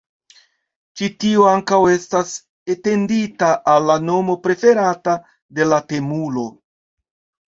Ĉi tio ankaŭ estas etendita al la nomo preferata de la temulo.